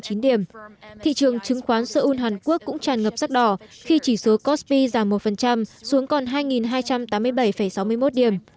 thị trường chứng khoán seoul hàn quốc cũng tràn ngập rắc đỏ khi chỉ số cospi giảm một xuống còn hai hai trăm tám mươi bảy sáu mươi một điểm